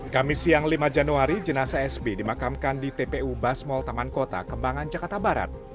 kami siang lima januari jenasa sb dimakamkan di tpu basmol taman kota kembangan jakarta barat